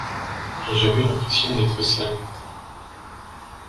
Et j’avais l’impression d’être sale.